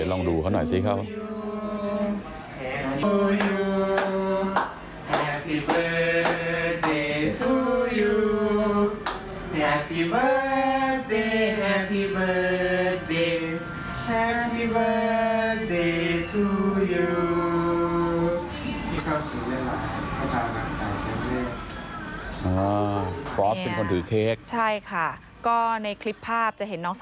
ลองดูเขาหน่อยสิครับ